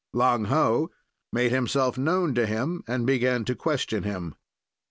"Lang Ho made himself known to him and began to question him.